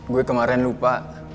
gue kemarin lupa